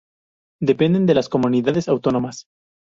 Dependen de las Comunidades Autónomas.